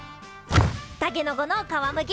たけのこの皮むき。